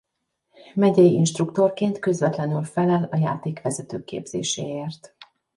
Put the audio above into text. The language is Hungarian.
Megyei instruktorként közvetlenül felel a játékvezetők képzéséért.